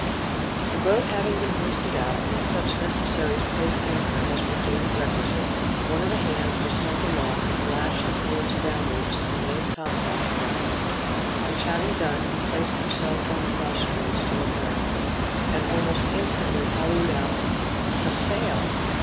The boat having been hoisted out, and such necessaries placed in her as were deemed requisite, one of the hands was sent aloft to lash the colors downwards to the main top mast shrouds; which having done, he placed himself on the crosstrees, to look around him, and almost instantly hallooed out, "A sail."